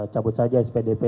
cabut saja spdp